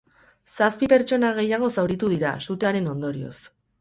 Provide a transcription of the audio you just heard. Zazpi pertsona gehiago zauritu dira, sutearen ondorioz.